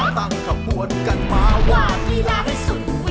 ตั้งขบวนกันมาว่างวีลาได้สุดเวียส